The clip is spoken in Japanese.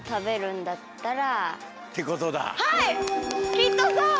きっとそう！